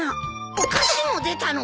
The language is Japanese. お菓子も出たのか！？